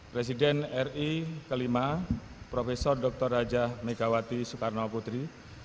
presiden ri ke lima prof dr raja megawati soekarno putri